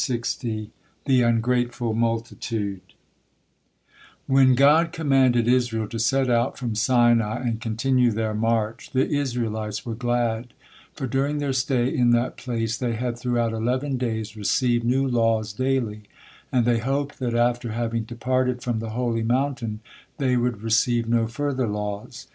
THE UNGRATEFUL MULTITUDE When God commanded Israel to set out from Sinai and continue their march, the Israelites were glad, for during their stay in that place they had throughout eleven days received new laws daily, and they hoped that after having departed from the holy mountain they would receive no further laws.